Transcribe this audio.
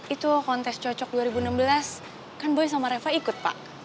itu kontes cocok dua ribu enam belas kan boy sama reva ikut pak